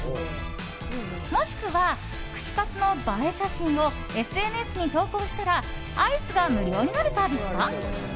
もしくは、串カツの映え写真をＳＮＳに投稿したらアイスが無料になるサービスか。